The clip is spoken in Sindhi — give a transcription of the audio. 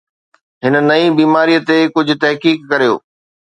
هن نئين بيماري تي ڪجهه تحقيق ڪريو